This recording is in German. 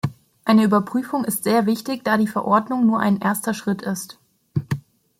Eine Überprüfung ist sehr wichtig, da die Verordnung nur ein erster Schritt ist.